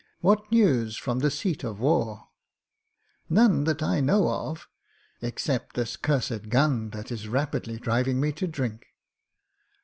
What news from the seat of war?" "None that I know of — except this cursed gun, that is rapidly driving me to drink."